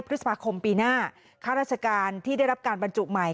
พฤษภาคมปีหน้าค่าราชการที่ได้รับการบรรจุใหม่